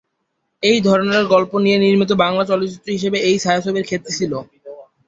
এই ধরনের গল্প নিয়ে নির্মিত বাংলা চলচ্চিত্র হিসেবে এই ছায়াছবির খ্যাতি ছিল।